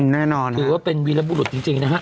แน่นอนถือว่าเป็นวีรบุรุษจริงนะฮะ